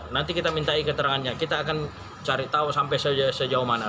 nanti kita minta keterangannya kita akan cari tahu sampai sejauh mana